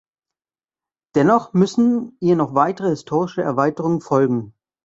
Dennoch müssen ihr noch weitere historische Erweiterungen folgen.